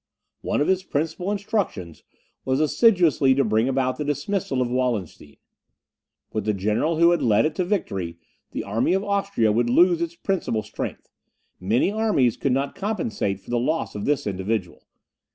One of his principal instructions was assiduously to bring about the dismissal of Wallenstein. With the general who had led it to victory, the army of Austria would lose its principal strength; many armies could not compensate for the loss of this individual.